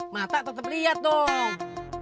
mata tetap lihat dong